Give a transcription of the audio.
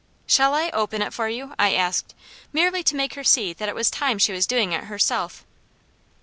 "Shall I open it for you?" I asked, merely to make her see that it was time she was doing it herself.